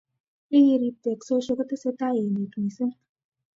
Ye kirib teksosiek, kotesetai emet misisng